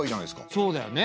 そうだよね。